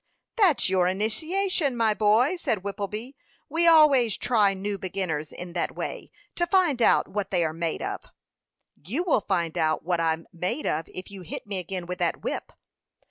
"That's your initiation, my boy," said Whippleby. "We always try new beginners in that way, to find out what they are made of." "You will find out what I'm made of, if you hit me again with that whip."